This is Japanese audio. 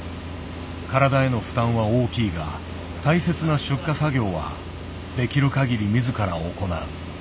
体への負担は大きいが大切な出荷作業はできる限り自ら行う。